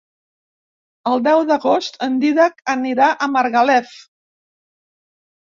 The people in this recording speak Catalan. El deu d'agost en Dídac anirà a Margalef.